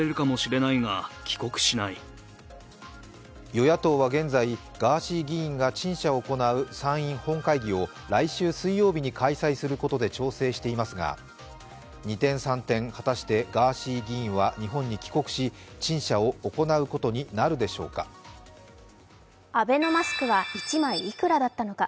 与野党は現在ガーシー議員が陳謝を行う参院本会議を来週水曜日に開催することで調整していますが、二転三転、果たしてガーシー議員は日本に帰国し陳謝を行うことになるでしょうかアベノマスクは１枚いくらだったのか。